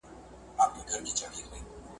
پوهانو د ټولني ستونزې بيان کړي.